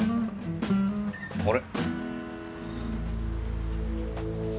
あれ。